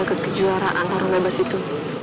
ikut kejuaraan tarung bebas itu